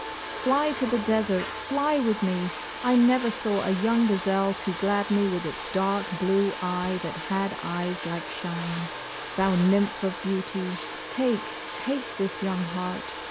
Fly to the desert, fly with me! I never saw a young gazelle to glad me with its dark blue eye that had eyes like shine. Thou nymph of beauty, take, take this young heart.